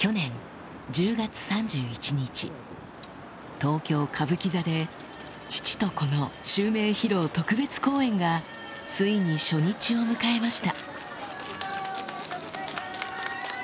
東京歌舞伎座で父と子の襲名披露特別公演がついに初日を迎えました